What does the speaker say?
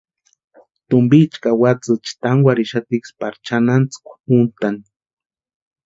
Tumpicha ka watsïecha tankwarhixatiksï pari chʼanantsïkwa úntʼani.